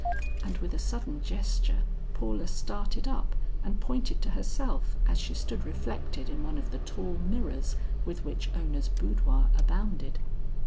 And with a sudden gesture Paula started up and pointed to herself as she stood reflected in one of the tall mirrors with which Ona's boudoir abounded.